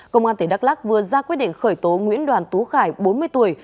công an tỉnh đắk lắc vừa ra quyết định khởi tố nguyễn đoàn tú khải bốn mươi tuổi